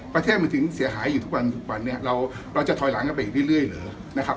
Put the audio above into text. ประเทศมันถึงเสียหายอยู่ทุกวันทุกวันเนี่ยเราจะถอยหลังกันไปอีกเรื่อยเหรอนะครับ